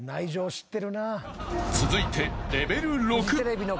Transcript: ［続いて］